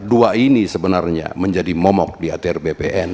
dua ini sebenarnya menjadi momok di atr bpn